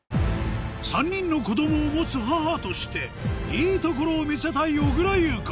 ３人の子供を持つ母としていいところを見せたい小倉優子